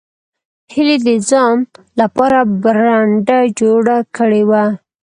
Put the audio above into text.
هیلې د ځان لپاره برنډه جوړه کړې وه